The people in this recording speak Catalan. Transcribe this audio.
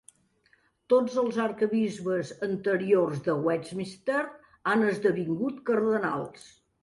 Tots els arquebisbes anteriors de Westminster han esdevingut cardenals.